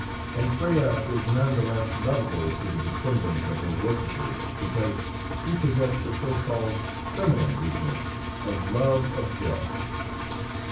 And Freya is none the less lovable to the descendants of her worshippers because she possessed the so called "feminine weakness" of love of dress.